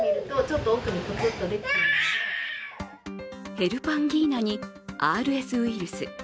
ヘルパンギーナにＲＳウイルス。